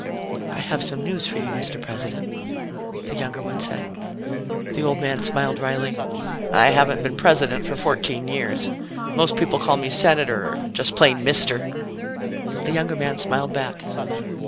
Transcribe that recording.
"I have some news for you, Mr. President," the younger one said. The old man smiled wryly. "I haven't been President for fourteen years. Most people call me 'Senator' or just plain 'Mister'." The younger man smiled back.